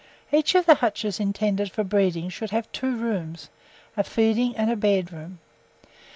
Each of the hutches intended for breeding should have two rooms, a feeding and a bed room.